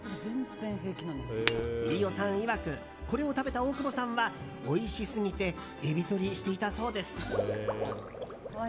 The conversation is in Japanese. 飯尾さんいわくこれを食べた大久保さんはおいしすぎてエビ反りしていたそうです。